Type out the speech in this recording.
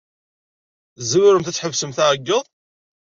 Tzemremt ad tḥebsemt aɛeyyeḍ?